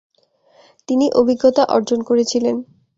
তিনি অভিজ্ঞতা অর্জন করেছিলেন।